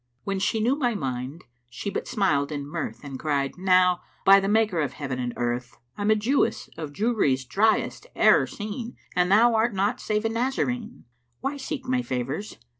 When she knew my mind she but smiled in mirth And cried, 'Now, by the Maker of Heaven and Earth! I'm a Jewess of Jewry's driest e'er seen And thou art naught save a Nazarene. Why seek my favours?